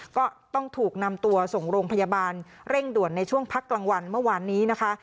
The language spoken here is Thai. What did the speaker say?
ก็ต้องถูกนำตัวส่งโรงพยาบาลเร่งด่วนในช่วงพักกลางวันเมื่อวานนี้นะคะ